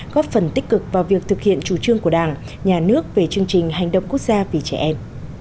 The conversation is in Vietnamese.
góp phần tích cực vào việc thực hiện chủ trương của đảng nhà nước về chương trình hành động quốc gia vì trẻ em